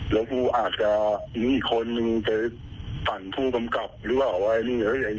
แล้วกูอาจจะมีอีกคนมึงไปตันผู้กำกัดหรือว่าว่าอันนี้อันนี้ร้ายใหญ่ครับ